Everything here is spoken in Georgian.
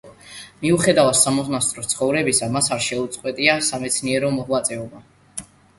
მიუხედავად სამონასტრო ცხოვრებისა, მას არ შეუწყვეტია სამეცნიერო მოღვაწეობა.